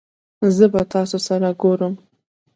زه به تاسو سره ګورم